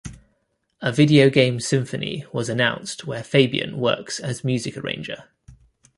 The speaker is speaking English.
A Video Game Symphony was announced where Fabian works as music arranger.